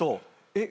「えっ？